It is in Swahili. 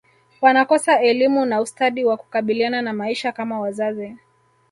wanakosa elimu na ustadi wa kukabiliana na maisha kama wazazi